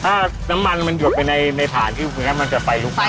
ถ้าน้ำมันมันหยดไปในฐานที่มันจะไฟลุกไหม้